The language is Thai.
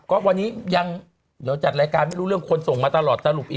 ก็วันนี้ยังเดี๋ยวจัดรายการไม่รู้เรื่องคนส่งมาตลอดสรุปอีก